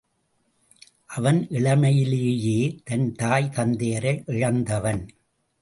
அவன் இளமையிலேயே தன் தாய் தந்தையரை இழந்தவன்.